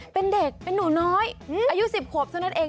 เป็นเด็กเป็นหนูน้อยอายุ๑๐ขวบเท่านั้นเอง